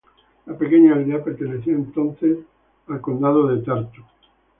La pequeña aldea pertenecía entonces al Obispado de Tartu.